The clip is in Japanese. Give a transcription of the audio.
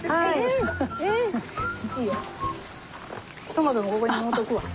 トマトもここに置いとくわ。